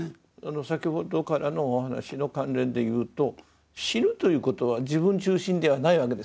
先ほどからのお話の関連で言うと死ぬということは自分中心ではないわけですね。